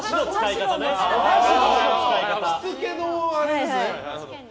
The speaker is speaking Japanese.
しつけの話ですね。